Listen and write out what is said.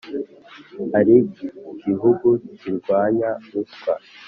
ari gihugu kirwanya ruswa